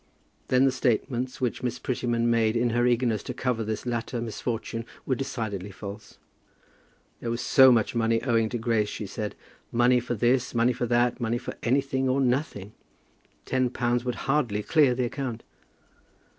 Then the statements which Miss Prettyman made in her eagerness to cover this latter misfortune were decidedly false. There was so much money owing to Grace, she said; money for this, money for that, money for anything or nothing! Ten pounds would hardly clear the account.